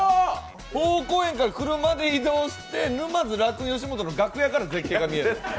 豊好園から車で移動して沼津吉本の楽屋から絶景が見れる？